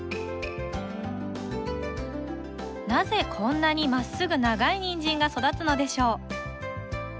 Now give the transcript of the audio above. なぜこんなにまっすぐ長いニンジンが育つのでしょう？